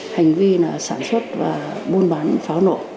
hành vi sản xuất và buôn bán pháo nổ